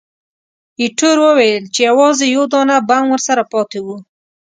ایټور وویل چې، یوازې یو دانه بم ورسره پاتې وو.